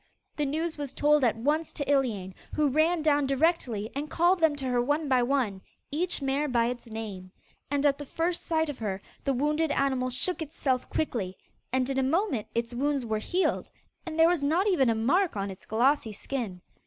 The news was told at once to Iliane, who ran down directly and called them to her one by one, each mare by its name. And at the first sight of her the wounded animal shook itself quickly, and in a moment its wounds were healed, and there was not even a mark on its glossy skin.